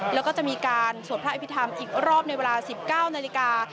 แล้วก็จะมีการสวดพระอภิษฐรรมอีกรอบในเวลา๑๙นาฬิกา